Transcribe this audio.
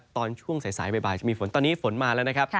ตอนช่วงสายบ่ายจะมีฝนตอนนี้ฝนมาแล้วนะครับ